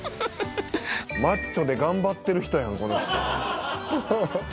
「マッチョで頑張ってる人やんこの人」